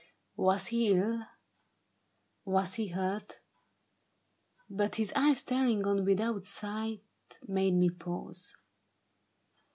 Was he ill ? Was he hurt ? But his eyes staring on without sight made me pause.